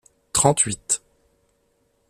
trente-huit